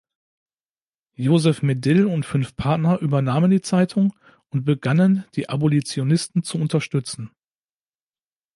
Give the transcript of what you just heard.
Joseph Medill und fünf Partner übernahmen die Zeitung und begannen die Abolitionisten zu unterstützen.